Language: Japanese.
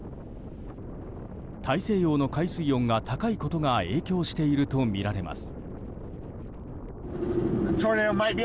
大西洋の海水温が高いことが影響しているとみられます。